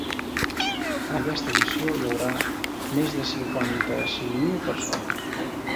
En aquesta edició hi haurà més de cinquanta-cinc mil persones.